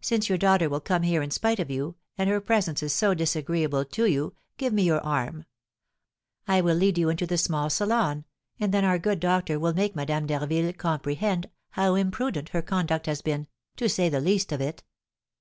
Since your daughter will come here in spite of you, and her presence is so disagreeable to you, give me your arm. I will lead you into the small salon, and then our good doctor will make Madame d'Harville comprehend how imprudent her conduct has been, to say the least of it.'